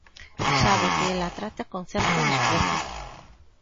Sabe que el a trata con certo desprezo.